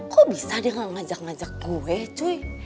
kok bisa dia gak ngajak ngajak gue cuy